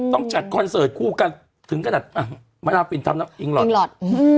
ต้องจัดคอนเสิร์ตคู่กันถึงขนาดมะนาฟินทำอิงหอนอิงหลอด